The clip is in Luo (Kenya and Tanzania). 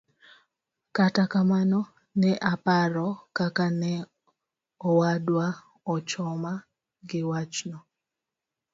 Kata kamano ne aparo kaka ne owadwa ochoma gi wachno.